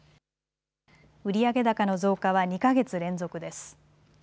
売上高の増加は２か月連続です。